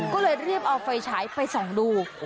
ก็เลยรีบเอาไฟฉายไปส่องดู